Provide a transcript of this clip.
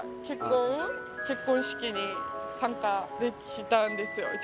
結婚式に参加できたんですよ。